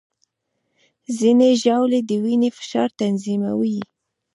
ځینې ژاولې د وینې فشار تنظیموي.